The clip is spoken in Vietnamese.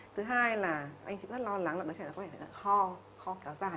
thứ hai là anh chị rất lo lắng là đứa trẻ có thể ho ho cáo dài